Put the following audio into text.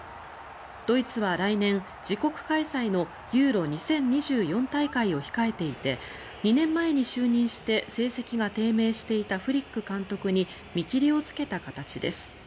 ドイツは来年、自国開催のユーロ２０２４大会を控えていて２年前に就任して成績が低迷していたフリック監督に見切りをつけた形です。